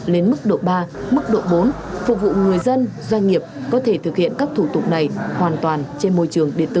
lên mức độ ba mức độ bốn phục vụ người dân doanh nghiệp có thể thực hiện các thủ tục này hoàn toàn trên môi trường điện tử